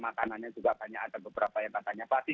makanannya juga banyak ada beberapa yang katanya pasti